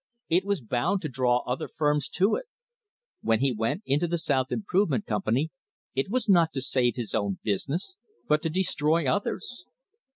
It was bound to draw other firms to it. When he went into the South Improvement Company it was not to save his own business, but to destroy others.